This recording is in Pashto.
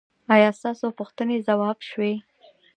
ایا ستاسو پوښتنې ځواب شوې؟